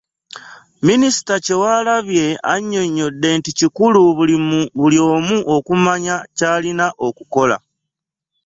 Minisita Kyewalabye annyonnyodde nti kikulu buli omu amanye ky'alina okukola.